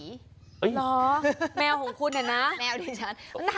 เหรอแมวของคุณเนี่ยนะแมวดิฉัน